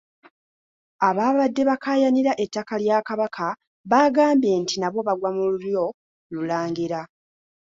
Abaabadde bakaayanira ettaka lya Kabaka baagambye nti nabo bagwa mu lulyo lulangira.